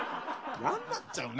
やんなっちゃうね